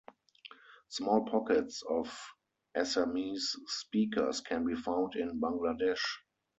Small pockets of Assamese speakers can be found in Bangladesh.